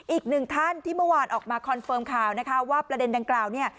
อีกหนึ่งท่านที่เมื่อวานออกมาคอนเฟิร์มข่าวนะคะว่าประเด็นดังกล่าวเนี่ย